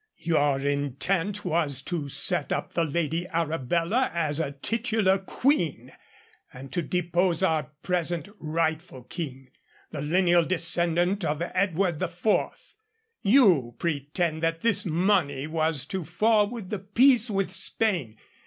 Your intent was to set up the Lady Arabella as a titular Queen, and to depose our present rightful King, the lineal descendant of Edward IV. You pretend that this money was to forward the Peace with Spain.